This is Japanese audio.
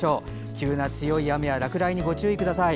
急な強い雨や落雷にご注意ください。